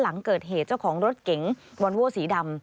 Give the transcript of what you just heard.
หลังเกิดเหตุเจ้าของรถเก๋งวอนโว้สีดำ